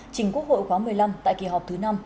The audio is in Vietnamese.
trình quốc hội khóa một mươi năm tại kỳ họp thứ năm